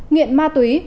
nghiện ma túy